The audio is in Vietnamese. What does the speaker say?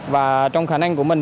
và trong khả năng của mình